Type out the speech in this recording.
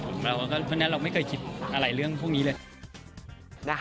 เพราะฉะนั้นเราไม่เคยคิดอะไรเรื่องพวกนี้เลย